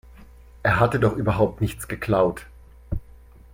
Er hatte doch überhaupt nichts geklaut.